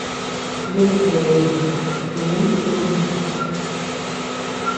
Nuku beayee jidiñ yuntu.